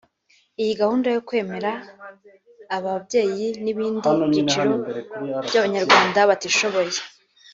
Iyi gahunda yo kuremera aba babyeyi n’ibindi byiciro by’Abanyarwanda batishoboye